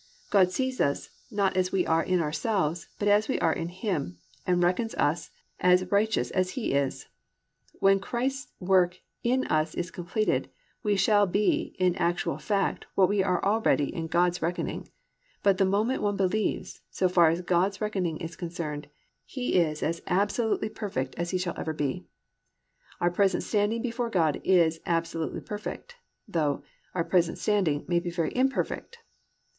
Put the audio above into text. God sees us, not as we are in ourselves, but as we are in Him and reckons us as righteous as He is. When Christ's work in us is completed we shall be in actual fact what we are already in God's reckoning, but the moment one believes, as far as God's reckoning is concerned, he is as absolutely perfect as he ever shall be. Our present standing before God is absolutely perfect, though our present state may be very imperfect.